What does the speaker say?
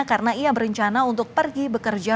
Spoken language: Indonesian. karena ia berencana untuk pergi bekerja